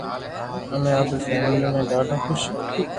امي آپري فيملي مي ڌاڌو خوݾ